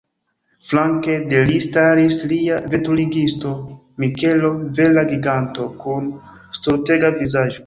Flanke de li staris lia veturigisto Mikelo, vera giganto kun stultega vizaĝo.